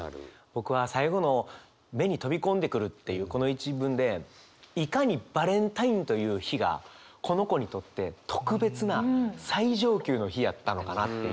僕は最後の「目に飛び込んでくる」っていうこの一文でいかにバレンタインという日がこの子にとって特別な最上級の日やったのかなっていう。